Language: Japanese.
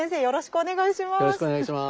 よろしくお願いします。